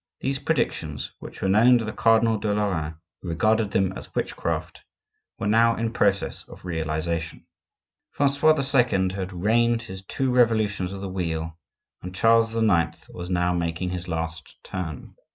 These predictions, which were known to the Cardinal de Lorraine, who regarded them as witchcraft, were now in process of realization. Francois II. had reigned his two revolutions of the wheel, and Charles IX. was now making his last turn.